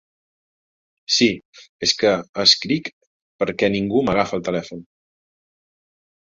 Sí, és que escric perquè ningú m'agafa el telèfon.